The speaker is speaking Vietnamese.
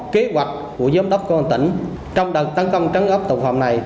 kế hoạch của giám đốc công an tỉnh trong đợt tấn công trắng ấp tội phạm này